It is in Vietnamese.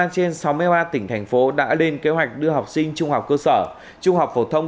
một mươi trên sáu mươi ba tỉnh thành phố đã lên kế hoạch đưa học sinh trung học cơ sở trung học phổ thông